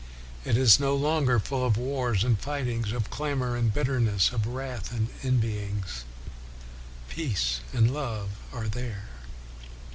It is no longer full of wars and fightings, of clamor and bitterness, of 316 WESLEY wrath and envyings: peace and love are there."